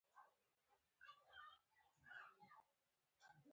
هیله لرم چې پښتانه له مصنوعي زیرکتیا څخه لږ څه مثبته ګټه واخلي.